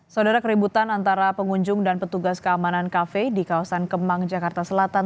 saudara keributan antara pengunjung dan petugas keamanan kafe di kawasan kemang jakarta selatan